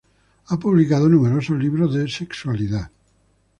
Ha publicado numerosos libros de sexualidad.